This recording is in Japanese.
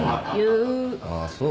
ああそう。